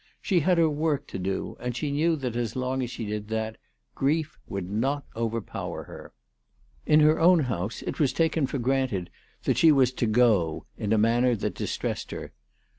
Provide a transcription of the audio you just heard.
She had her work to do, and she knew that as long as she did that, grief would not overpower her. In her own house it was taken for granted that she was to " go," in a manner that distressed her.